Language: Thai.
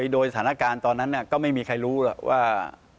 โดยสถานการณ์ตอนนั้นก็ไม่มีใครรู้หรอกว่า